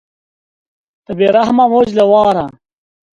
د بې رحمه موج له واره